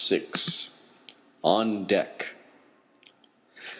ON DECK.